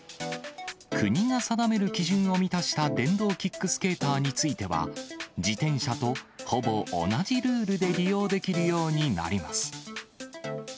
国が定める基準を満たした電動キックスケーターについては、自転車とほぼ同じルールで利用できるようになります。